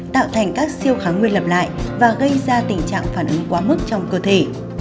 tạo thành các siêu kháng nguyên lặp lại và gây ra tình trạng phản ứng quá mức trong cơ thể